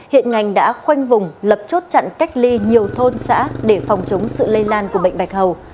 hiện ngành đã khoanh vùng lập chốt chặn cách ly nhiều thôn xã để phòng chống sự lây lan của bệnh bạch hầu